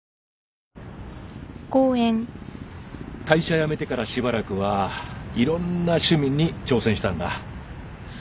会社辞めてからしばらくはいろんな趣味に挑戦したんだ。